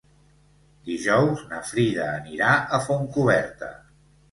Dijous na Frida anirà a Fontcoberta.